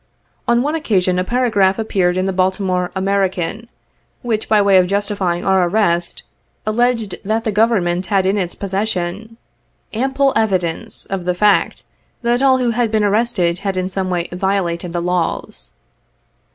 On one occasion, a paragraph appeared in the Baltimore American, which by way of justifying our arrest, alleged that the Government had in its possession 15 ample evidence of the fact, that all who had heen arrested had in some way violated the laws.